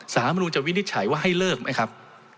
สารมนุนจะวินิจฉัยว่าให้เลิกไหมครับ